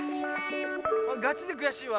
ガチでくやしいわ。